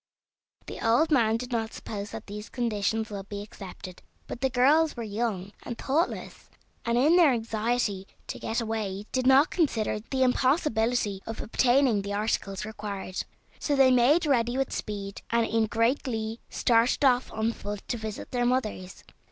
The old man did not suppose that these conditions would be accepted, but the girls were young and thoughtless, and in their anxiety to get away did not consider the impossibility of obtaining the articles required. So they made ready with speed, and in great glee started off on foot to visit their mothers.